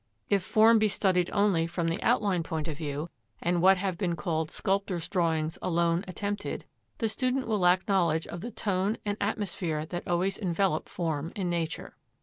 If form be studied only from the outline point of view, and what have been called sculptor's drawings alone attempted, the student will lack knowledge of the tone and atmosphere that always envelop form in nature.